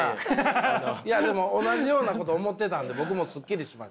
いやでも同じようなこと思ってたんで僕もすっきりしました。